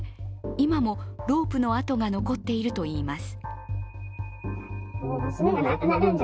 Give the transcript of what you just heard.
今もロープのあとが残っているといいます。